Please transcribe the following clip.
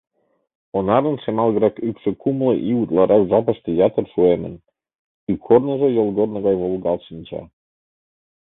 Онарын шемалгырак ӱпшӧ кумло ий утларак жапыште ятыр шуэмын, ӱпкорныжо йолгорно гай волгалт шинча.